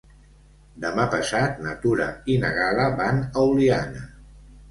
Demà passat na Tura i na Gal·la van a Oliana.